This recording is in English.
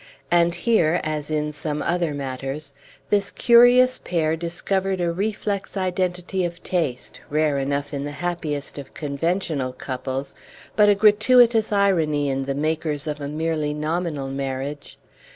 And here (as in some other matters) this curious pair discovered a reflex identity of taste, rare enough in the happiest of conventional couples, but a gratuitous irony in the makers of a merely nominal marriage.